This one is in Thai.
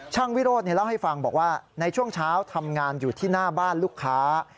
วิโรธเล่าให้ฟังบอกว่าในช่วงเช้าทำงานอยู่ที่หน้าบ้านลูกค้า